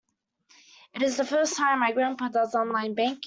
It's the first time my grandpa does online banking.